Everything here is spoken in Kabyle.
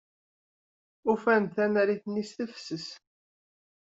Ufan-d tanarit-nni s tefses.